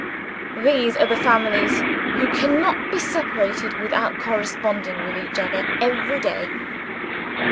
These are the families who cannot be separated without corresponding with each other every day.